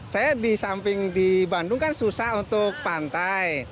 saya disamping di bandung kan susah untuk pantai